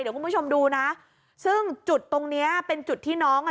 เดี๋ยวคุณผู้ชมดูนะซึ่งจุดตรงเนี้ยเป็นจุดที่น้องอ่ะ